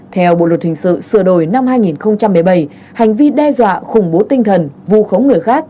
theo bộ luật hình sự sửa đổi năm hai nghìn một mươi bảy hành vi đe dọa khủng bố tinh thần vù khống người khác